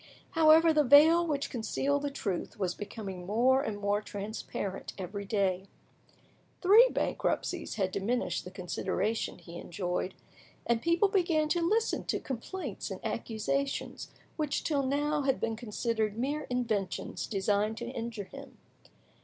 However, the veil which concealed the truth was becoming more and more transparent every day. Three bankruptcies had diminished the consideration he enjoyed, and people began to listen to complaints and accusations which till now had been considered mere inventions designed to injure him.